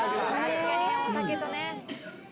お酒とね。